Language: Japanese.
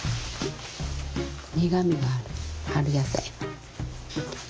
苦みがある春野菜。